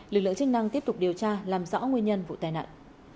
lực lượng chức năng tiếp tục điều tra làm rõ nguyên nhân vụ tai nạn